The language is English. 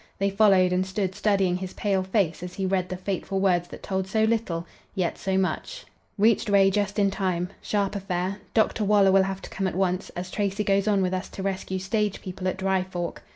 They followed and stood studying his pale face as he read the fateful words that told so little, yet so much: Reached Ray just in time. Sharp affair. Dr. Waller will have to come at once, as Tracy goes on with us to rescue stage people at Dry Fork.